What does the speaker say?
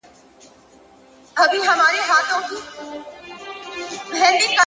لكه د ده چي د ليلا خبر په لــپـــه كـــي وي”